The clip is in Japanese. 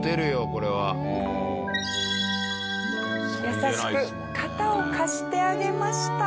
優しく肩を貸してあげました。